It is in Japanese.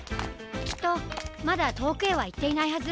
きっとまだとおくへはいっていないはず！